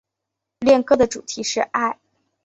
恋歌的主题是爱。